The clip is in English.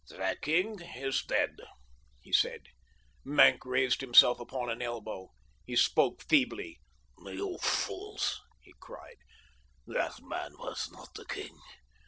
"The king is dead," he said. Maenck raised himself upon an elbow. He spoke feebly. "You fools," he cried. "That man was not the king.